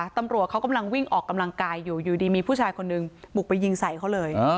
ตำรวจเขากำลังวิ่งออกกำลังกายอยู่อยู่ดีมีผู้ชายคนหนึ่งบุกไปยิงใส่เขาเลย